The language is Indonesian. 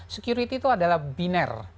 security itu adalah binar